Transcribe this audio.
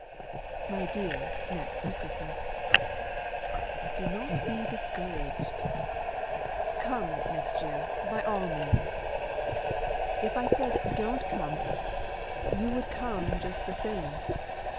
My dear Next Christmas, Do not be discouraged, Come next year by all means; If I said "Don't come" You would come just the same.